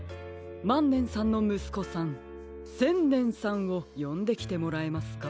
まんねんさんのむすこさんせんねんさんをよんできてもらえますか？